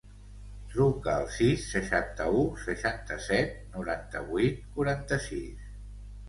Truca al sis, seixanta-u, seixanta-set, noranta-vuit, quaranta-sis.